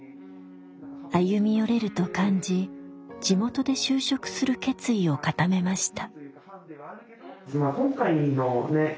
歩み寄れると感じ地元で就職する決意を固めました。